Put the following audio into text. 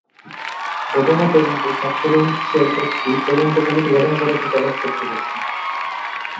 ঘটনা তদন্তে সাত সদস্যর একটি তদন্ত কমিটি গঠন করেছে কলেজ কর্তৃপক্ষ।